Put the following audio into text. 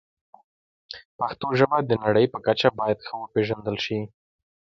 پښتو ژبه د نړۍ په کچه باید ښه وپیژندل شي.